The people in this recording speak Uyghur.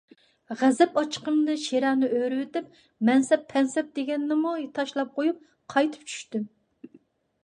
غەزەپ ئاچچىقىمدا شىرەنى ئۆرۈۋېتىپ، مەنسەپ - پەنسەپ دېگەننىمۇ تاشلاپ قويۇپ قايتىپ چۈشتۈم.